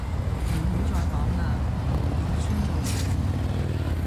唔好再講喇，葡萄到酸到死